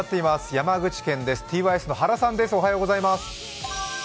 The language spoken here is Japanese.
山口県です、ｔｙｓの原さんです。